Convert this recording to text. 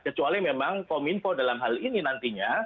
kecuali memang kominfo dalam hal ini nantinya